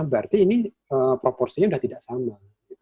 berarti ini proporsinya sudah tidak sama